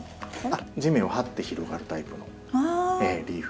地面をはって広がるタイプのリーフ。